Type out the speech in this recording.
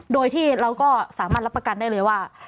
โดยที่เราก็สามารถรับประกันได้เลยว่า